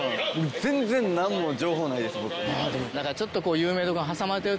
全然何も情報ないです僕。